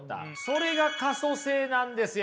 それが可塑性なんですよ。